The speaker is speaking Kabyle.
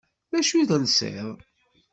D acu i telsiḍ?